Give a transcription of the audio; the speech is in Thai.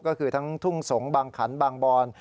ก็คือทั้งทุ่งสงบางขันบางบอน